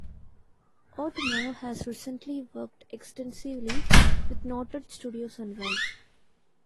Otomo has recently worked extensively with noted studio Sunrise.